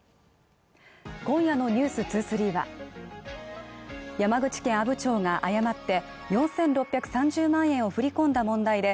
今夜の「ｎｅｗｓ２３」は山口県阿武町が誤って４６３０万円を振り込んだ問題で